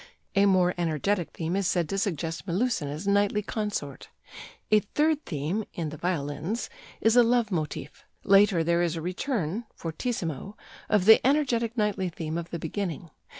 A more energetic theme is said to suggest Melusina's knightly consort; a third theme (in the violins) is a love motive; later there is a return, fortissimo, of the energetic knightly theme of the beginning.